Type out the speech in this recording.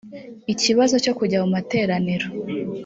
ikibazo cya kujya mu materaniro